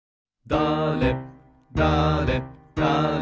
だれだれだれ